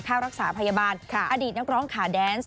ค่ารักษาพยาบาลอดีตนักร้องขาแดนซ์